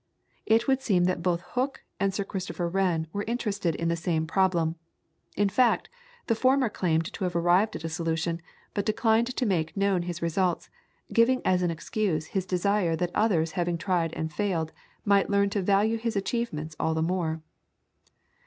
It would seem that both Hooke and Sir Christopher Wren were interested in the same problem; in fact, the former claimed to have arrived at a solution, but declined to make known his results, giving as an excuse his desire that others having tried and failed might learn to value his achievements all the more.